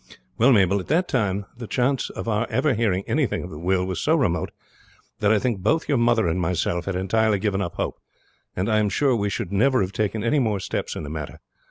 "Well, Mabel, at that time the chance of our ever hearing anything of the will was so remote that I think both your mother and myself had entirely given up hope, and I am sure we should never have taken any more steps in the matter.